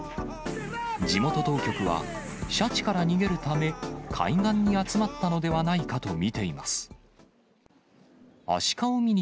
地元当局は、シャチから逃げるため、海岸に集まったのではないかと見ています。